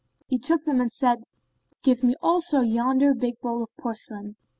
He took them and said, "Give me also yonder big bowl of porcelain."